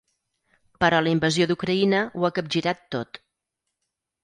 Però la invasió d’Ucraïna ho ha capgirat tot.